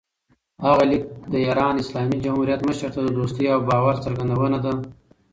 هغه لیک د ایران اسلامي جمهوریت مشر ته د دوستۍ او باور څرګندونه ده.